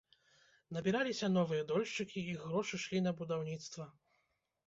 Набіраліся новыя дольшчыкі, іх грошы шлі на будаўніцтва.